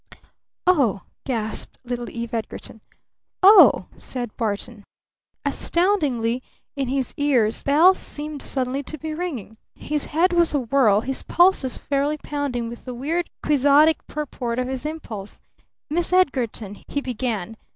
"O h!" gasped little Eve Edgarton. "O h!" said Barton. Astoundingly in his ears bells seemed suddenly to be ringing. His head was awhirl, his pulses fairly pounding with the weird, quixotic purport of his impulse. "Miss Edgarton," he began.